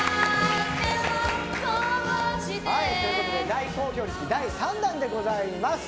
大好評につき第３弾でございます。